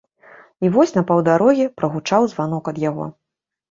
І вось на паўдарогі прагучаў званок ад яго.